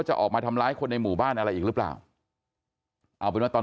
จะออกมาทำร้ายคนในหมู่บ้านอะไรอีกหรือเปล่าเอาเป็นว่าตอน